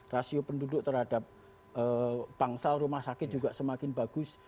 rasio penduduk terhadap bangsal rumah sakit juga semakin bagus